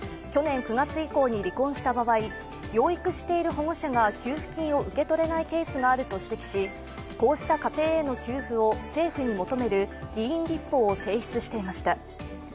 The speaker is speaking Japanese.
去年９月以降に離婚した場合、養育している保護者が給付金を受け取れないケースがあると指摘し、こうした家庭への給付を政府に求める議員立法を提出していました。